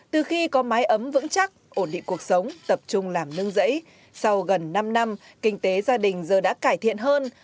từ khi có mái ấm vững chắc ổn định cuộc sống tập trung làm nương dẫy sau gần năm năm kinh tế gia đình giờ đã cải thiện hơn